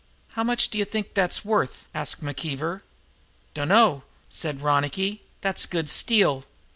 "How much d'you think that's worth?" asked McKeever. "Dunno," said Ronicky. "That's good steel."